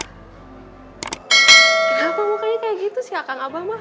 kenapa mukanya kayak gitu sih akang abah ma